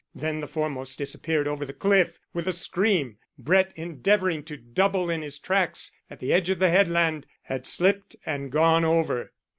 Then the foremost disappeared over the cliff with a scream. Brett, endeavouring to double in his tracks at the edge of the headland, had slipped and gone over.